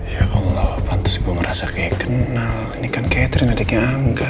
ya allah pantas gua merasa kayak kenal ini kan catherine adiknya angga